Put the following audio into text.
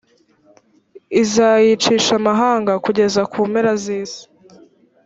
izayicisha amahanga kugeza ku mpera z’isi!